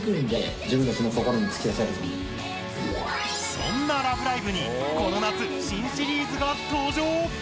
そんな「ラブライブ！」にこの夏、新シリーズが登場！